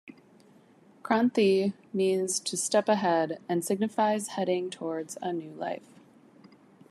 "Kranthi" means "to step ahead" and signifies heading towards a new life.